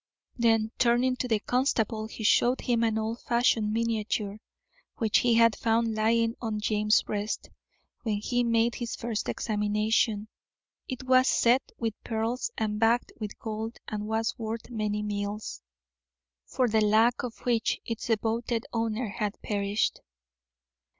Then, turning to the constable, he showed him an old fashioned miniature, which he had found lying on James's breast, when he made his first examination. It was set with pearls and backed with gold and was worth many meals, for the lack of which its devoted owner had perished.